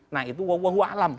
nah itu wahua alam